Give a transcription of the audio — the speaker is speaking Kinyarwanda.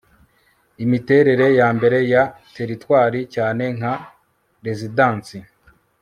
imiterere ya mbere ya teritwari cyane nka rezidansi